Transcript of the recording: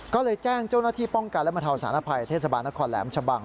ก็เลยแจ้งเจ้าหน้าที่ป้องกันและบรรเทาสารภัยเทศบาลนครแหลมชะบัง